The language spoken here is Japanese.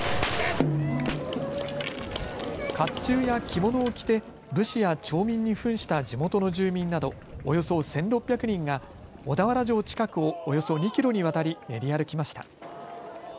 かっちゅうや着物を着て武士や町民にふんした地元の住民などおよそ１６００人が小田原城近くをおよそ２キロにわたり練り歩きました。